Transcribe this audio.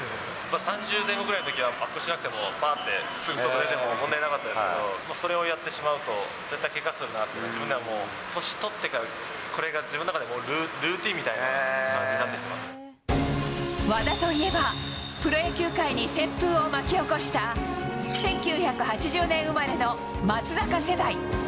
３０前後ぐらいのときは、アップしなくても、ぱーってすぐ外出ても問題なかったですけど、それをやってしまうと、絶対けがするなって、自分ではもう、年取ってからこれが自分の中でルーティンみたいな感じになってき和田といえば、プロ野球界に旋風を巻き起こした１９８０年生まれの松坂世代。